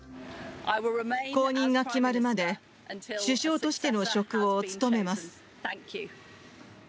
後任が決まるまで首相としての職を務めます。